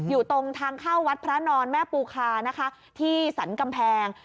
อยู่ตรงทางเข้าวัดพระนอนแม่ปูคานะคะที่สรรกำแพง